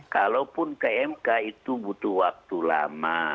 kalaupun ke mk itu butuh waktu lama